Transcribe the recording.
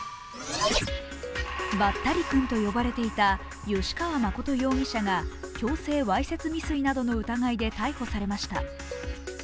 ばったりくんと呼ばれていた吉川誠容疑者が強制わいせつ未遂の疑いなどで逮捕されました。